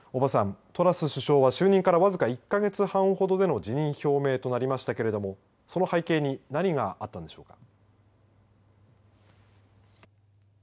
大庭さん、トラス首相は僅か就任１か月半ほどで辞任表明となりましたがその背景に何があったんでしょうか。